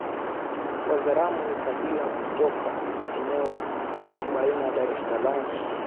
Wazaramo ni kabila kutoka eneo baina ya Dar es Salaam